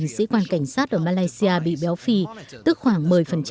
hai mươi hai sĩ quan cảnh sát ở malaysia bị béo phì tức khoảng một mươi